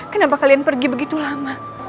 kenapa kalian pergi begitu lama